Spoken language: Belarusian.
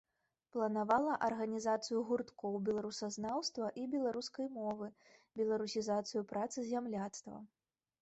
Планавала арганізацыю гурткоў беларусазнаўства і беларускай мовы, беларусізацыю працы зямляцтва.